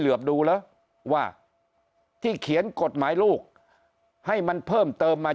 เหลือบดูเหรอว่าที่เขียนกฎหมายลูกให้มันเพิ่มเติมมา